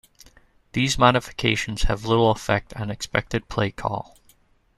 These modifications have little effect on expected play call.